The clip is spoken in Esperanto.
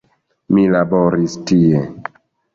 Mi laboris tie.